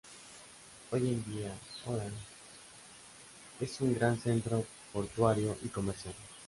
Hoy en día, Orán es un gran centro portuario y comercial.